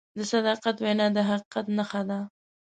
د صداقت وینا د حقیقت نښه ده.